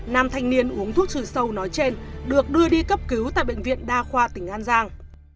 nam thanh niên uống thuốc trừ sâu nói trên được đưa đi cấp cứu tại bệnh viện đa khoa tỉnh an giang